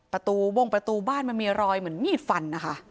ประตูวงวิบัติวบ้านไม่มีรอยเหมือนมีดฝัน